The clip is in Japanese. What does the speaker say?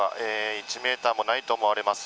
１ｍもないと思われます。